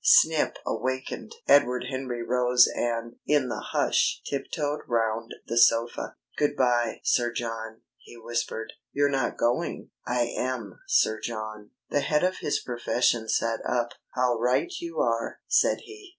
Snip awakened. Edward Henry rose and, in the hush, tiptoed round the sofa. "Good bye, Sir John," he whispered. "You're not going?" "I am, Sir John." The head of his profession sat up. "How right you are!" said he.